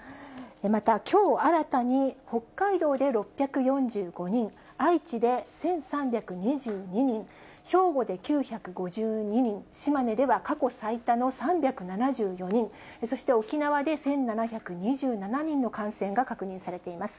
また、きょう新たに北海道で６４５人、愛知で１３２２人、兵庫で９５２人、島根では過去最多の３７４人、そして沖縄で１７２７人の感染が確認されています。